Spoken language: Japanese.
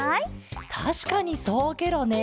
たしかにそうケロね。